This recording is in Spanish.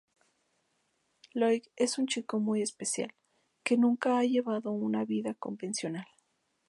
Loïc es un chico muy especial, que nunca ha llevado una vida convencional.